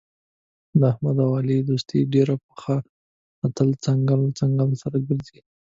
د احمد او علي دوستي ډېره پخه ده، تل څنګل په څنګل سره ګرځي.